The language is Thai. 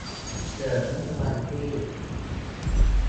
เกิดเมื่อวันที่